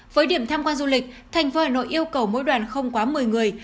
với điểm tham quan du lịch thành phố hà nội yêu cầu mỗi đoàn không quá một mươi người